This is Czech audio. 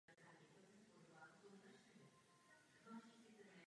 Druhou otázku nadnesl pan poslanec Verhofstadt.